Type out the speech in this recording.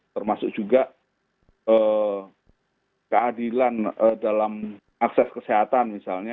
termasuk juga keadilan dalam akses kesehatan misalnya